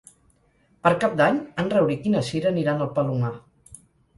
Per Cap d'Any en Rauric i na Cira aniran al Palomar.